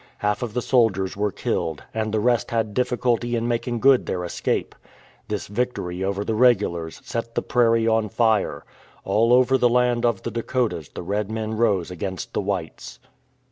Half of the soldiers were killed, and the rest had diffi culty in making good their escape. This victory over the regulars set the prairie on fire. All over the land of the Dakotas the red men rose against the whites.